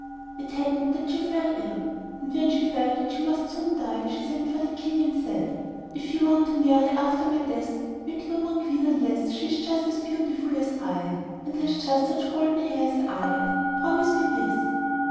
It happened that she fell ill, and when she felt that she must soon die, she sent for the King, and said, 'If you want to marry after my death, make no one queen unless she is just as beautiful as I am, and has just such golden hair as I have. Promise me this.